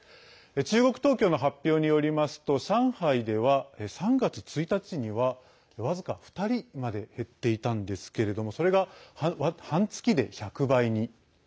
中国当局の発表によりますと上海では３月１日には僅か２人まで減っていたんですがそれが、半月で１００倍に。